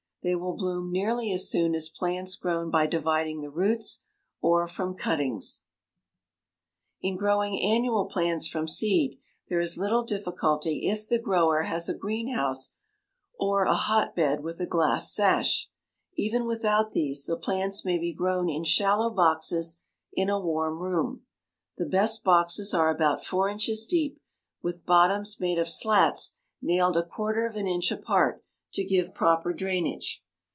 They will bloom nearly as soon as plants grown by dividing the roots or from cuttings. [Illustration: FIG. 100. OUTDOOR GROWN CHRYSANTHEMUMS] In growing annual plants from seed, there is little difficulty if the grower has a greenhouse or a hotbed with a glass sash. Even without these the plants may be grown in shallow boxes in a warm room. The best boxes are about four inches deep with bottoms made of slats nailed a quarter of an inch apart to give proper drainage.